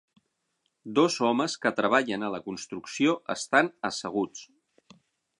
Dos homes que treballen a la construcció estan asseguts.